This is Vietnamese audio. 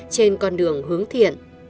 trên con đường hướng dẫn